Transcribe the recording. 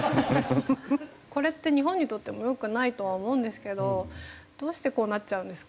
これって日本にとっても良くないとは思うんですけどどうしてこうなっちゃうんですか？